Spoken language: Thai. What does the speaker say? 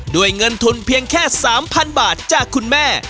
ด้วยเงินทุนเพียงแค่๓๐๐๐บาทจากคุณแม่